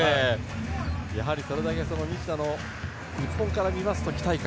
やはりそれだけ西田の日本から見ますと期待感